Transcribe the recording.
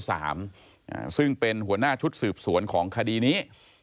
ซึ่งเป็นหัวหน้าชุดสืบสวนของคดีนี้